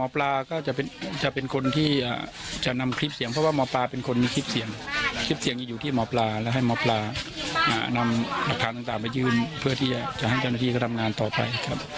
เพื่อที่จะให้เจ้าหน้าที่ทำงานต่อไปครับ